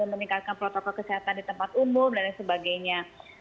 meningkatkan protokol kesehatan di tempat umum dan lain sebagainya